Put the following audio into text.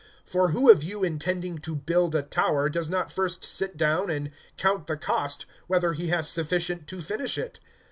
(28)For who of you, intending to build a tower, does not first sit down, and count the cost, whether he has sufficient to finish it?